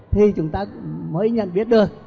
thì chúng ta mới nhận biết được